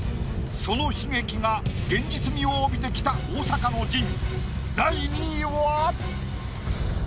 その悲劇が現実味を帯びてきた大阪の陣。